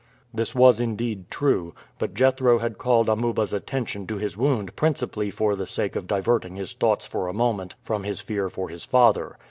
This was indeed true; but Jethro had called Amuba's attention to his wound principally for the sake of diverting his thoughts for a moment from his fear for his father.